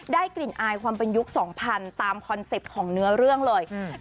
ได้กลิ่นอายความเป็นยุคสองพันตามคอนเซ็ปต์ของเนื้อเรื่องเลยอืม